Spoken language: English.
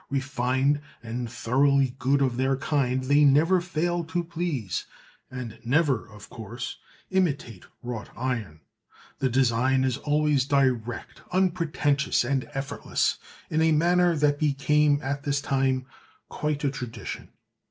Refined and thoroughly good of their kind, they never fail to please, and never, of course, imitate wrought iron. The design is always direct, unpretentious and effortless, in a manner that became at this time quite a tradition.